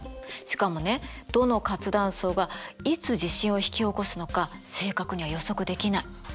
しかもねどの活断層がいつ地震を引き起こすのか正確には予測できない。